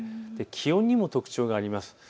気温にも特徴があります。